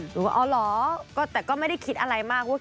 หรือว่าอ๋อเหรอพี่ฟูอลก็ไม่ได้คิดอะไรมาก